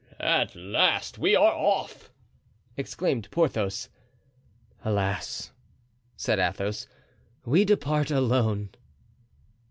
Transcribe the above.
"At last we are off!" exclaimed Porthos. "Alas," said Athos, "we depart alone."